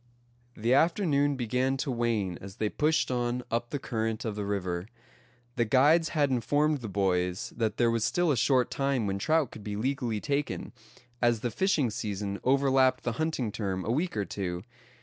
The afternoon began to wane as they pushed on up the current of the river. The guides had informed the boys that there was still a short time when trout could be legally taken, as the fishing season overlapped the hunting term a week or two.